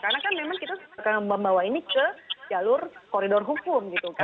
karena kan memang kita akan membawa ini ke jalur koridor hukum gitu kan